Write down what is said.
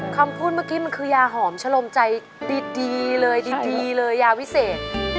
คำพูดเมื่อกี้มันคือยาหอมชะลมใจดีเลยดีเลยยาวิเศษ